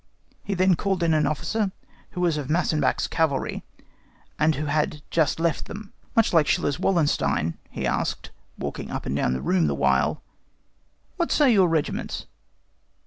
He called in an officer who was of Massenbach's cavalry, and who had just left them. Much like Schiller's Wallenstein, he asked, walking up and down the room the while, "What say your regiments?"